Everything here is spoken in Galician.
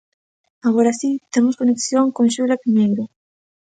Agora si, temos conexión con Xulia Piñeiro.